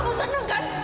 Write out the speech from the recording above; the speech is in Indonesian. kamu seneng kan